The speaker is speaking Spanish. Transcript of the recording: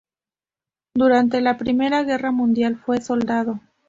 Durante la Primera Guerra Mundial fue soldado.